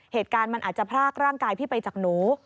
เหตุการณ์มันอาจจะพรากร่างกายพี่ไปจากหนู